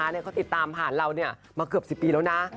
เขาติดตามผ่านเรามาเกือบ๑๐ปีแล้วนะ